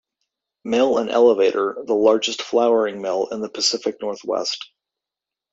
Mill and Elevator, the largest flouring mill in the Pacific Northwest.